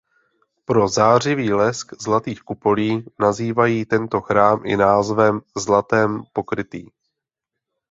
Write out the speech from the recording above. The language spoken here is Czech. Pro zářivý lesk zlatých kupolí nazývají tento chrám i názvem "zlatem pokrytý".